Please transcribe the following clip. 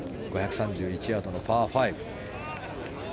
５３１ヤードのパー５。